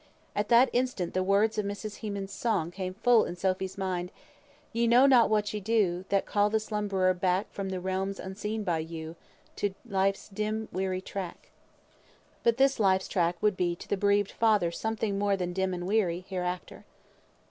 At that instant the words of Mrs. Hemans's song came full into Sophy's mind. "Ye know not what ye do, That call the slumberer back From the realms unseen by you, To life's dim, weary track." But this life's track would be to the bereaved father something more than dim and weary, hereafter.